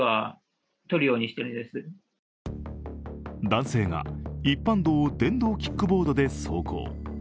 男性が一般道を電動キックボードで走行。